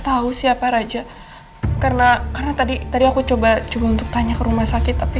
tahu siapa raja karena karena tadi tadi aku coba coba untuk tanya ke rumah sakit tapi